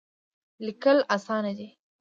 لیکل اسانه دی.